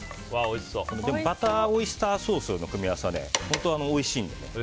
でもバターオイスターソースの組み合わせは本当においしいので。